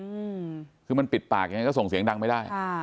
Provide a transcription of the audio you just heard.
อืมคือมันปิดปากยังไงก็ส่งเสียงดังไม่ได้ค่ะ